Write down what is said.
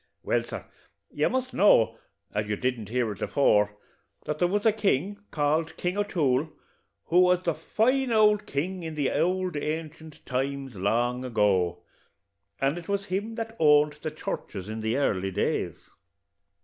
Well, sir, you must know, as you didn't hear it afore, that there was a king, called King O'Toole, who was a fine ould king in the ould ancient times, long ago; and it was him that owned the churches in the early days.